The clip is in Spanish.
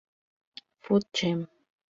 Food Chem.